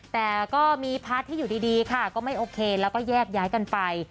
แต่ก็มีพาร์ทที่อยู่ดีค่ะก็ไม่โอเคแล้วก็แยกย้ายกันไป